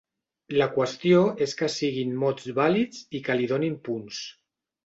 La qüestió és que siguin mots vàlids i que li donin punts.